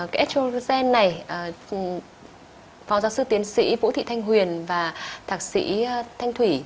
cái estrogen này phó giáo sư tiến sĩ vũ thị thanh huyền và thạc sĩ thanh thủy